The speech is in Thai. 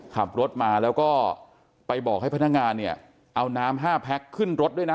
ขับรถมาแล้วก็ไปบอกให้พนักงานเนี่ยเอาน้ำห้าแพ็คขึ้นรถด้วยนะ